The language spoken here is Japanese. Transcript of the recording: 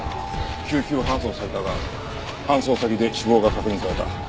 救急搬送されたが搬送先で死亡が確認された。